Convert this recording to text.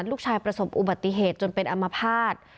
ลูกชายประสบอุบัติเหตุจนเป็นอัมพาต